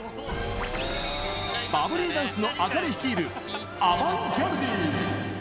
バブリーダンスのａｋａｎｅ率いる、アバンギャルディ。